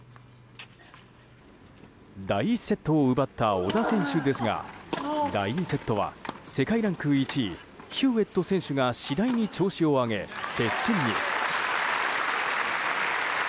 第１セットを奪った小田選手ですが第２セットは世界ランク１位ヒューエット選手が次第に調子を上げ、接戦に。